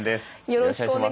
よろしくお願いします。